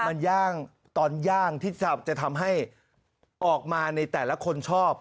มันย่างตอนย่างที่จะทำให้ออกมาในแต่ละคนชอบ